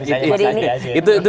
itu bisa bisa saja